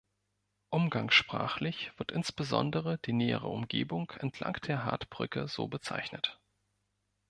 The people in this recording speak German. Umgangssprachlich wird insbesondere die nähere Umgebung entlang der Hardbrücke so bezeichnet.